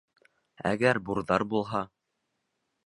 Әгәр бурҙар булһа?